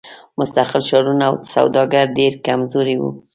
مستقل ښارونه او سوداګر ډېر کمزوري وو.